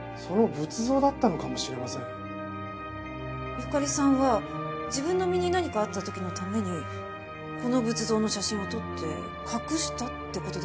ゆかりさんは自分の身に何かあった時のためにこの仏像の写真を撮って隠したって事ですか？